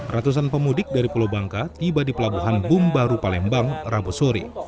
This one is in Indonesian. ratusan pemudik dari pulau bangka tiba di pelabuhan bum baru palembang rabu suri